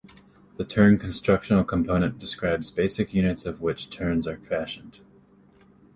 The turn constructional component describes basic units out of which turns are fashioned.